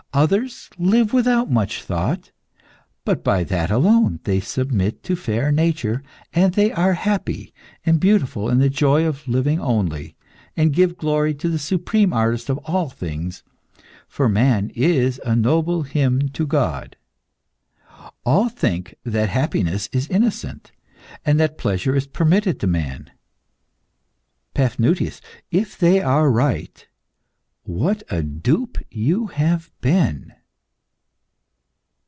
Others live without much thought. But by that alone they submit to fair Nature, and they are happy and beautiful in the joy of living only, and give glory to the supreme artist of all things; for man is a noble hymn to God. All think that happiness is innocent, and that pleasure is permitted to man. Paphnutius, if they are right, what a dupe you have been!"